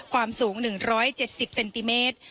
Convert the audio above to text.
ความสูง๑๗๐เซนติเมตร